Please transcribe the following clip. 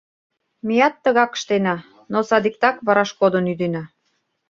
— Меат тыгак ыштена, но садиктак вараш кодын ӱдена.